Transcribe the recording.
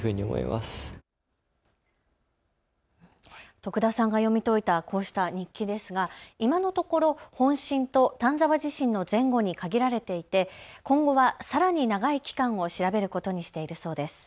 徳田さんが読み解いたこうした日記ですが今のところ本震と丹沢地震の前後に限られていて今後はさらに長い期間を調べることにしているそうです。